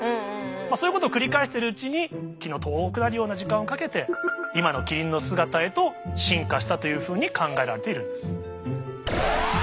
そういうことを繰り返してるうちに気の遠くなるような時間をかけて今のキリンの姿へと進化したというふうに考えられているんです。